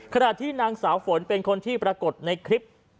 ขณะที่นางสาวฝนเป็นคนที่ปรากฏในคลิป